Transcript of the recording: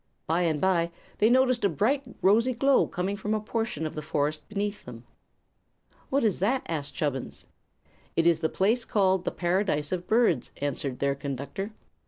By and by they noticed a bright, rosy glow coming from a portion of the forest beneath them. "What is that?" asked Chubbins. "It is the place called the Paradise of Birds," answered their conductor.